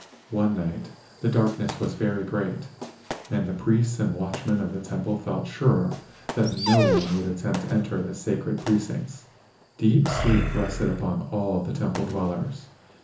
One night the darkness was very great, and the priests and watchmen of the temple felt sure that no one would attempt to enter the sacred precincts. Deep sleep rested upon all the temple dwellers.